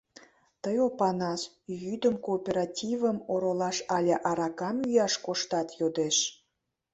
— Тый, Опанас, йӱдым кооперативым оролаш але аракам йӱаш коштат? — йодеш.